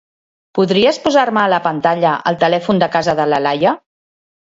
Podries posar-me a la pantalla el telèfon de casa de la Laia?